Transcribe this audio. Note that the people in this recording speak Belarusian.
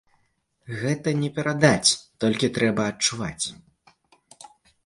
Гэта не перадаць, толькі трэба адчуваць.